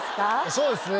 そうですね